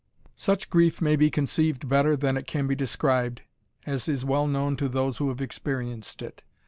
Such grief may be conceived better than it can be described, as is well known to those who have experienced it.